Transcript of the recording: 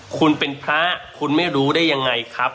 คุณเป็นพระคุณไม่รู้ได้ยังไงครับ